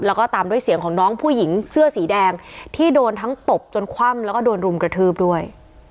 แล้วก็ตามด้วยเสียงของน้องผู้หญิงเสื้อสีแดงที่โดนทั้งตบจนคว่ำแล้วก็โดนรุมกระทืบด้วย